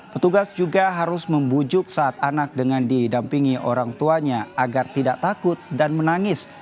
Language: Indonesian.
petugas juga harus membujuk saat anak dengan didampingi orang tuanya agar tidak takut dan menangis